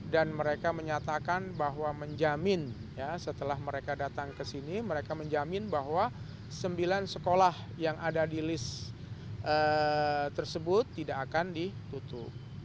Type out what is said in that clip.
mereka menyatakan bahwa menjamin setelah mereka datang ke sini mereka menjamin bahwa sembilan sekolah yang ada di list tersebut tidak akan ditutup